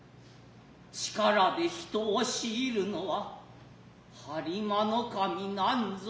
力で人を強ひるのは播磨守なんぞの事。